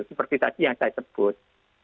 seperti tadi yang saya sebut